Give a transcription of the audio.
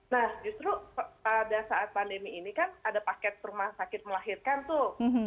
nah justru pada saat pandemi ini kan ada paket rumah sakit melahirkan tuh